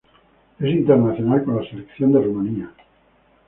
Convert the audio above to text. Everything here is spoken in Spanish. Es internacional con la selección de Rumanía.